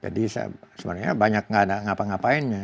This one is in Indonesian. jadi sebenarnya banyak tidak ada apa apa